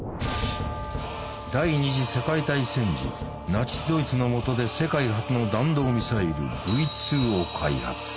第二次世界大戦時ナチスドイツのもとで世界初の弾道ミサイルＶ２を開発。